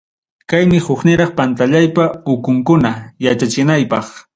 Kaymi hukniraq pantallaypa ukunkuna yachachinaypaq.